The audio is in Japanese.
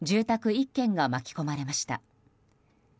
１軒が巻き込まれました。